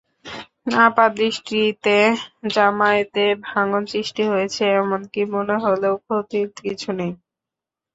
আপাতদৃষ্টিতে জামায়াতে ভাঙন সৃষ্টি হয়েছে এমনটি মনে হলেও ক্ষতির কিছু নেই।